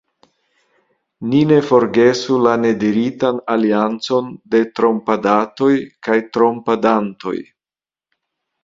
Ni ne forgesu la nediritan aliancon de trompadatoj kaj trompadantoj.